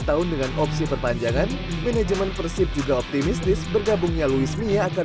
tahun dengan opsi perpanjangan manajemen persib juga optimistis bergabungnya luis mia akan